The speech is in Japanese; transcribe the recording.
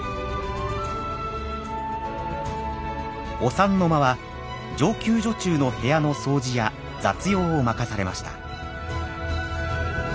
御三之間は上級女中の部屋の掃除や雑用を任されました。